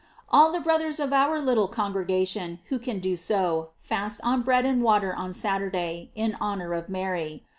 All the brothers of our little congregation who can do so, fast on bread and water on Saturday, in honor of Mary.